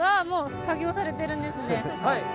もう作業されてるんですね。